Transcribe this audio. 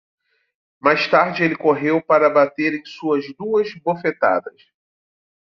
Mais tarde ele correu para bater em suas duas bofetadas